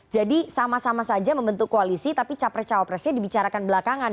jadi sama sama saja membentuk koalisi tapi capres cawapresnya dibicarakan belakangan